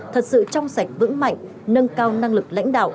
thật sự trong sạch vững mạnh nâng cao năng lực lãnh đạo